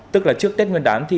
tức là trước tết nguyên đán